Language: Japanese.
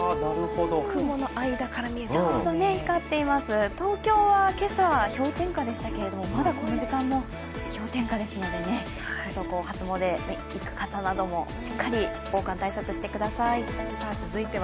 ちょうど光っています、東京は氷点下でしたけどまだこの時間も氷点下ですので、初詣に行く方などもしっかり防寒対策してください。